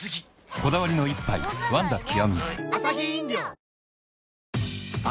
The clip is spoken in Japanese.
こだわりの一杯「ワンダ極」